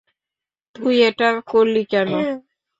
তুই এটা করলি কেন?